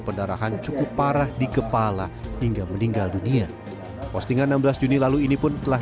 pendarahan cukup parah di kepala hingga meninggal dunia postingan enam belas juni lalu ini pun telah